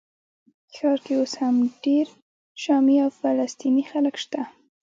ښار کې اوس هم ډېر شامي او فلسطیني خلک شته.